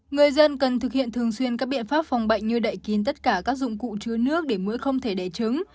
người dân cần thực hiện thường xuyên các biện pháp phòng bệnh như đậy kín tất cả các dụng cụ chứa nước để mũi không thể đẻ trứng